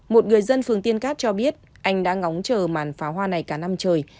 một người dân phường tiên cát cho biết anh đã ngóng chờ màn pháo hoa này cả năm trời